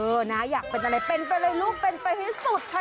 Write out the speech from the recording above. นะอยากเป็นอะไรเป็นไปเลยลูกเป็นไปให้สุดค่ะ